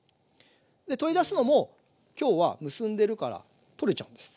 取り出すのも今日は結んでるから取れちゃうんです。